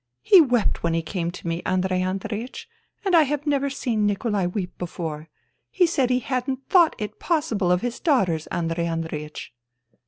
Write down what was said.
He wept when he came to me, Andrei Andreiech, and I have never seen Nikolai weep before. He said he hadn't thought it possible of his daughters, Andrei Andreiech."